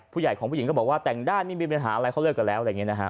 ผู้ใหญ่ของผู้หญิงก็บอกว่าแต่งด้านไม่มีปัญหาอะไรเขาเลิกกันแล้ว